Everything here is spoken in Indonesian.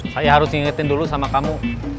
saya harus ngingetin dulu sama kamu